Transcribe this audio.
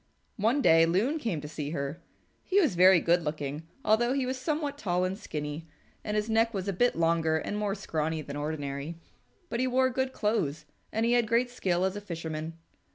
One day Loon came to see her. He was very good looking although he was somewhat tall and skinny, and his neck was a bit longer and more scrawny than ordinary, but he wore good clothes and he had great skill as a fisherman.